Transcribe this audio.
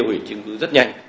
sẽ tiêu hủy chứng cứ rất nhanh